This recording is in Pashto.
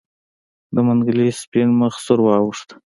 د منګلي سپين مخ سور واوښت.